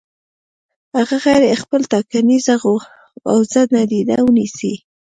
هغه غړي خپله ټاکنیزه حوزه نادیده ونیسي.